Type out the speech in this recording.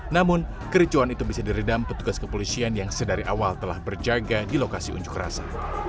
namun kericuan itu bisa diredam petugas kepolisian yang sedari awal telah berjaga di lokasi unjuk rasa